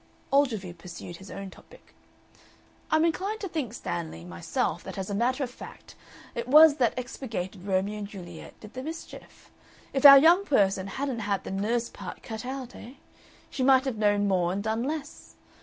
Ogilvy pursued his own topic. "I'm inclined to think, Stanley, myself that as a matter of fact it was the expurgated Romeo and Juliet did the mischief. If our young person hadn't had the nurse part cut out, eh? She might have known more and done less.